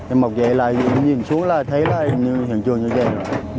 em mọc dậy là nhìn xuống là thấy là như hiện trường như vậy